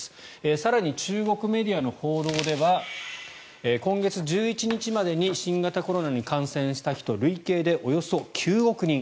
更に中国メディアの報道では今月１１日までに新型コロナに感染した人累計でおよそ９億人。